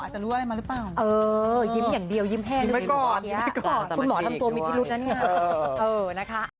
เจ้าของคลินิก